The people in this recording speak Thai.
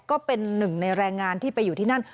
ก็เป็นหนึ่งในแรงงานที่ไปอยู่ที่นั่น